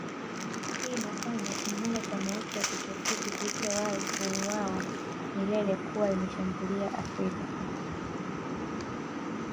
hii inafanya kimbunga cha mauti ya kitropiki kilichowahi kuuawa milele kuwa imeshambulia Afrika